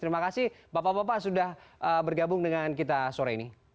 terima kasih bapak bapak sudah bergabung dengan kita sore ini